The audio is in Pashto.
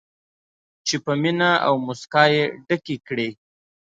چې په مینه او موسکا یې ډکې کړي.